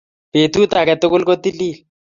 Betut aketukul kotililil